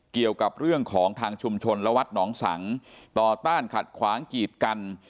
เกี่ยวกับเรื่องของทางชุมชนและวัดหนองสังต่อต้านขัดขวางกีดกัน